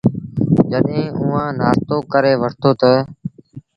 جڏهيݩٚ اُئآݩٚ نآشتو ڪري وٺتو تا